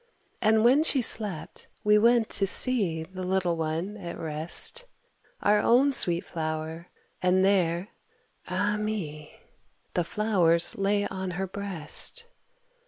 And when she slept, we went to see The little one at rest, Our own sweet flower, and there, ah, me! The flowers lay on her breast.